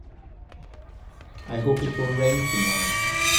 I hope it will rain tomorrow.